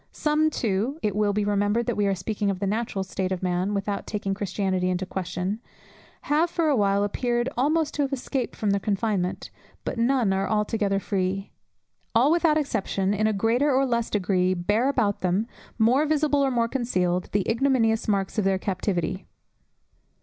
Some too (it will be remembered that we are speaking of the natural state of man, without taking Christianity into question) have for a while appeared almost to have escaped from their confinement; but none are altogether free; all without exception, in a greater or less degree bear about them, more visible or more concealed, the ignominious marks of their captivity.